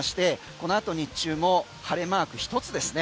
このあと日中も晴れマーク一つですね。